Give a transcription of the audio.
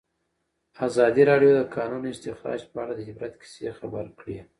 ازادي راډیو د د کانونو استخراج په اړه د عبرت کیسې خبر کړي.